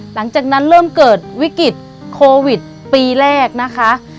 หลังจากนั้นเริ่มเกิดวิกฤตโควิดปีแรกนะคะ